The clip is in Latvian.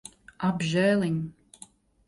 Apžēliņ.